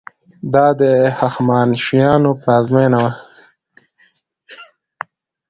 دا د هخامنشیانو پلازمینه وه.